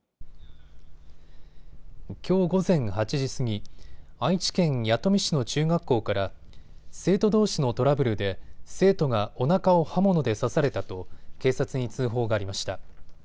きょう午前８時過ぎ、愛知県弥富市の中学校から生徒どうしのトラブルで生徒がおなかを刃物で刺されたと警察に通報がありました。